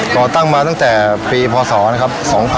ก่อตั้งมาตั้งแต่ปีพศนะครับ